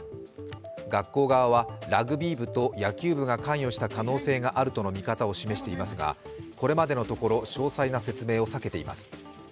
学校側は、ラグビー部と野球部が関与した可能性があるとの見方を示していますがこれまでのところ詳細な説明を避けています。